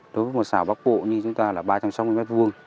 đối với một xào bắc bộ như chúng ta là ba trăm sáu mươi m hai